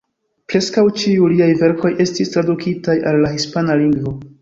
Preskaŭ ĉiuj liaj verkoj estis tradukitaj al la hispana lingvo.